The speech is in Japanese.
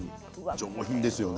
上品ですよね。